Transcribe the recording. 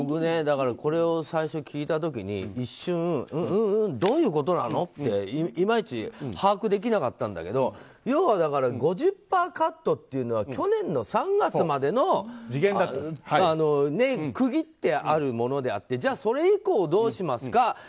これを最初聞いた時に一瞬、どういうことなの？っていまいち把握できなかったんだけど要は５０％カットというのは去年の３月までの区切ってあるものであってじゃあ、それ以降どうしますか。